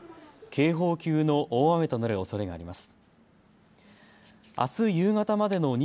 警報級の大雨となるおそれがあります。